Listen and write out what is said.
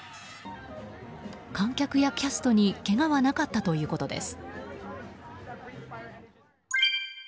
観客やキャストにけがはなかったということです。